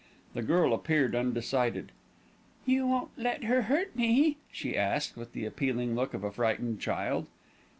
The girl appeared undecided. "You won't let her hurt me?" she asked, with the appealing look of a frightened child.